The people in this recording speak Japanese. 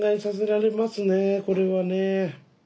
これはね。